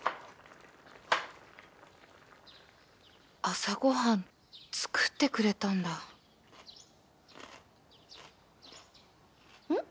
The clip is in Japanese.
朝ご飯作ってくれたんだん？